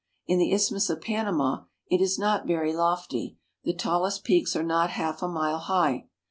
In the Isthmus of Panama it is not very lofty ; the tallest peaks are not half a mile high.